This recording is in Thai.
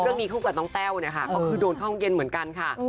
คู่กับน้องแต้วเนี่ยค่ะก็คือโดนเข้าห้องเย็นเหมือนกันค่ะ